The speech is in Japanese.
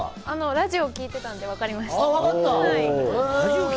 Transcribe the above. ラジオ聞いていたので分かりました。